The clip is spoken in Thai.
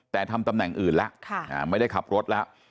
แต่ทำตำแหน่งอื่นแล้วไม่ได้ขับรถแล้ว